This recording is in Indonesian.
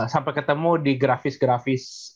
sampai ketemu di grafis grafis